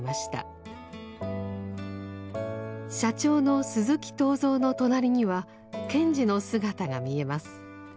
社長の鈴木東蔵の隣には賢治の姿が見えます。